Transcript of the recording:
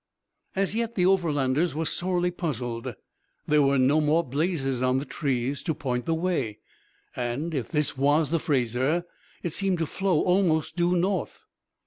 And yet the Overlanders were sorely puzzled. There were no more blazes on the trees to point the way; and, if this was the Fraser, it seemed to flow almost due north.